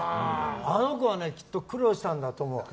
あの子はねきっと苦労したんだと思う。